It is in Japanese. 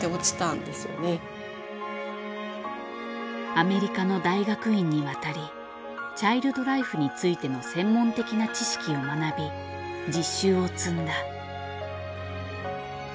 アメリカの大学院に渡りチャイルド・ライフについての専門的な知識を学び実習を積んだ。